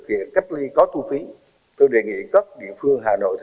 về vấn đề thu tiền xét nghiệm còn có nhiều ý kiến khác nhau